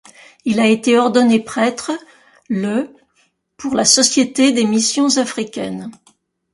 Il a été ordonné prêtre le pour la Société des missions africaines.